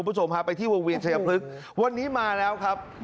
คุณผู้ชมฮะไปที่วงเวียนชายพลึกวันนี้มาแล้วครับ